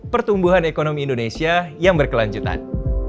pertumbuhan ekonomi indonesia yang berkelanjutan